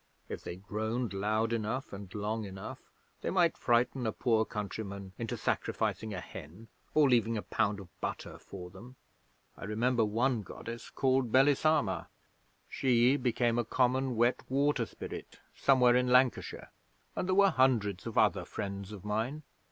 If they groaned loud enough and long enough they might frighten a poor countryman into sacrificing a hen, or leaving a pound of butter for them. I remember one Goddess called Belisama. She became a common wet water spirit somewhere in Lancashire. And there were hundreds of other friends of mine.